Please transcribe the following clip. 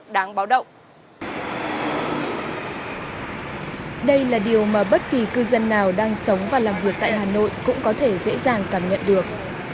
đây là điều mà bất kỳ cư dân nào đang sống và làm việc tại hà nội cũng có thể dễ dàng cảm nhận được